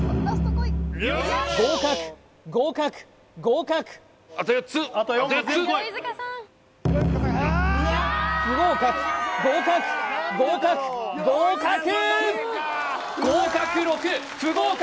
合格合格合格不合格合格合格合格合格６不合格